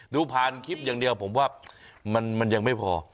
ดูผ่านคลิปอย่างเดียวผมว่ามันยังไม่พอ